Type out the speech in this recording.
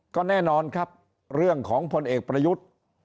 ก็แน่นอนครับเรื่องของพลเอกประยุทธ์